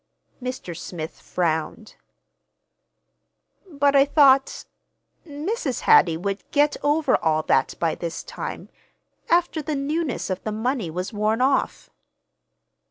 Mr. Smith frowned. "But I thought—Mrs. Hattie would get over all that by this time, after the newness of the money was worn off."